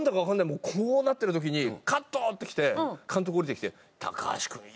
もうこうなってる時にカット！ってきて監督下りてきて。